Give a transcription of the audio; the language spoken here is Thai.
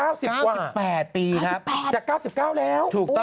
๙๘ปีครับถูกต้องครับจาก๙๙แล้ว